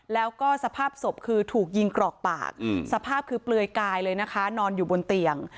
แล้วก็สภาพศพคือถูกยิงกรอกปากสภาพคือเปลือยกายเลยนะคะนอนอยู่บนเตียง